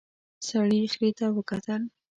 سړي خرې ته وکتل.